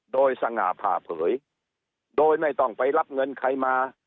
โดยสง่าผ่าเผยโดยไม่ต้องไปรับเงินใครมา